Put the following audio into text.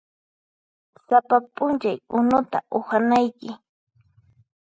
Sapa p'unchay unuta uhanayki.